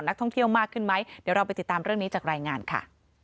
ท่องเที่ยวมากขึ้นไหมเดี๋ยวเราไปติดตามเรื่องนี้จากรายงานค่ะ